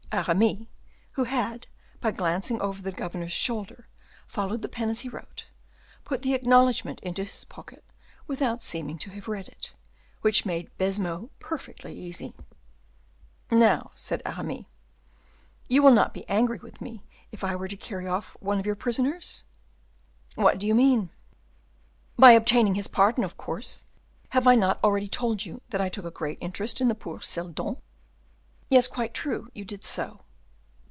Aramis, who had, by glancing over the governor's shoulder, followed the pen as he wrote, put the acknowledgement into his pocket without seeming to have read it, which made Baisemeaux perfectly easy. "Now," said Aramis, "you will not be angry with me if I were to carry off one of your prisoners?" "What do you mean?" "By obtaining his pardon, of course. Have I not already told you that I took a great interest in poor Seldon?" "Yes, quite true, you did so."